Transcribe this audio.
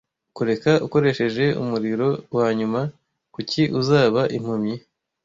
Kureka ukoresheje umuriro-wanyuma; Kuki uzaba impumyi?